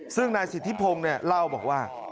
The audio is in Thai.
ซึ่งนายสิทธิพงศ์เล่าบอกว่า